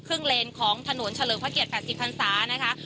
เลนของถนนเฉลิมพระเกียรติ๘๐พันศานะคะ